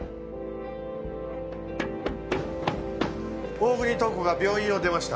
大國塔子が病院を出ました。